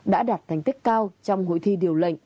đã đạt thành tích cao trong hội thi điều lệnh